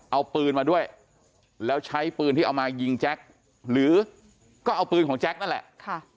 เอาปืนมาด้วยแล้วใช้ปืนที่เอามายิงแจ็คหรือก็เอาปืนของแจ็คนั่นแหละค่ะ